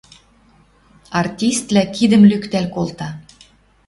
Артистлӓ кидӹм лӱктӓл колта.